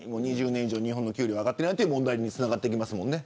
２０年以上、日本の給料が上がっていないという問題につながりますよね。